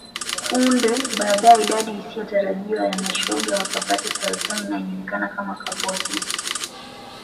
Punde baadae idadi isiyotarajiwa ya mashoga wakapata saratani inayojulikana kama Kaposis